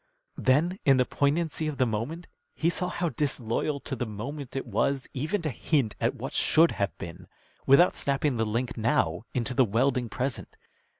Then in the poignancy of the moment he saw how disloyal to the moment it was even to hint at what should have been, without snapping the link now into the welding present.